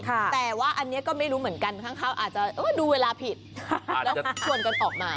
แต่ว่าอันนี้ก็ไม่รู้เหมือนกันข้างอาจจะดูเวลาผิดแล้วชวนกันออกมา